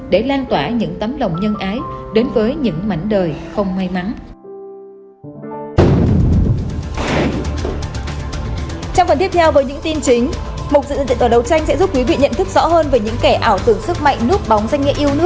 để lan tỏa những tấm lòng nhân ái đến với những mảnh đời không may mắn